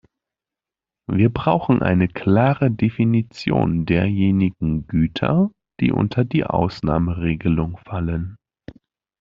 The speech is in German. Wir brauchen eine klare Definition derjenigen Güter, die unter die Ausnahmeregelung fallen.